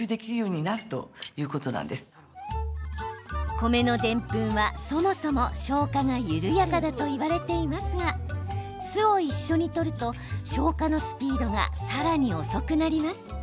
米のでんぷんは、そもそも消化が緩やかだといわれていますが酢を一緒にとると、消化のスピードがさらに遅くなります。